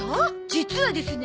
実はですね